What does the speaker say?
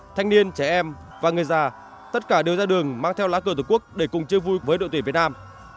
thanh niên trẻ em và người già tất cả đều ra đường mang theo lá cờ tổ quốc để cùng chơi vui với đội tuyển việt nam